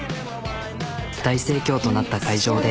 大盛況となった会場で。